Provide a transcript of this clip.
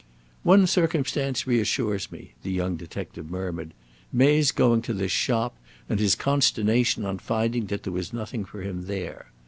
"One circumstance reassures me," the young detective murmured, "May's going to this shop, and his consternation on finding that there was nothing for him there.